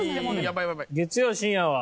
月曜深夜は。